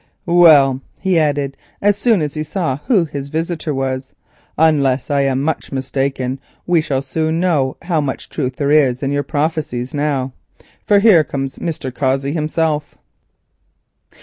"Well," he added as soon as he saw who his visitor was, "unless I am much mistaken, we shall soon know how much truth there is in your prophecies, for here comes Mr. Cossey himself."